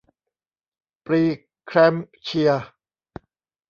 พรีแคลมป์เชีย